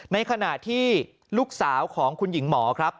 ในขณะที่ลูกสาวของคุณหญิงหมอครับ